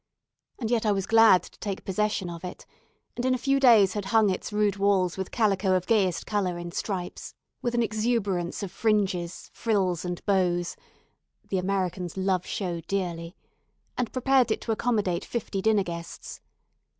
And yet I was glad to take possession of it; and in a few days had hung its rude walls with calico of gayest colour in stripes, with an exuberance of fringes, frills, and bows (the Americans love show dearly), and prepared it to accommodate fifty dinner guests.